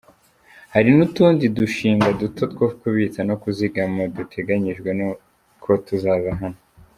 Hari n’utundi dushinga duto two kubitsa no kuzigama duteganyijwe ko tuzaza hano.